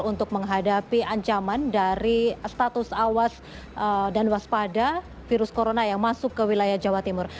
untuk menghadapi ancaman dari status awas dan waspada virus corona yang masuk ke wilayah jawa timur